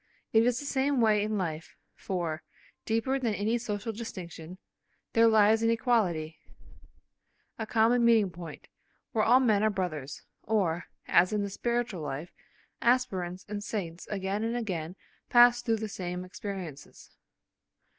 It is the same way in life, for, deeper than any social distinction, there lies an equality, a common meeting point, where all men are brothers, or, as in the spiritual life, aspirants and saints again and again pass through the same experiences.